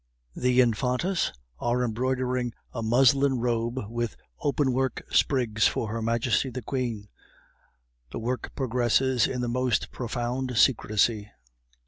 The Infantas are embroidering a muslin robe with open work sprigs for her Majesty the Queen; the work progresses in the most profound secrecy.